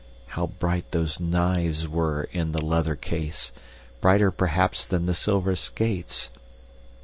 How bright those knives were in the leather case brighter perhaps than the silver skates.